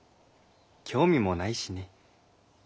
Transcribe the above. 興味もないしね。